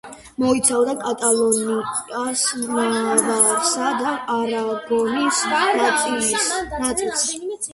მოიცავდა კატალონიას, ნავარასა და არაგონის ნაწილს.